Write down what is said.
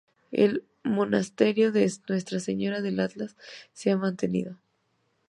El monasterio de Nuestra Señora del Atlas se ha mantenido.